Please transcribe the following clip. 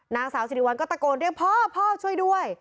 นางสาวสิริวัลก็ตะโกนเรียกพ่อพ่อช่วยด้วย